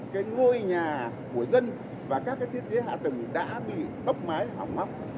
cái ngôi nhà của dân và các chiếc dưới hạ tầng đã bị đốc máy hỏng mắm